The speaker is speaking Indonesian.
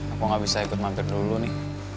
aku gak bisa ikut mampir dulu nih